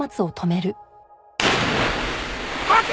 待て！